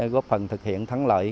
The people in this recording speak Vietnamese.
có phần thực hiện thắng lợi